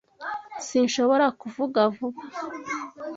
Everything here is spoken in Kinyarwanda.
S Sinshobora kuvuga vuba)